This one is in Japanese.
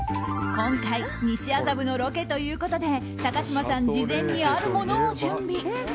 今回、西麻布のロケということで高嶋さん事前にあるものを準備。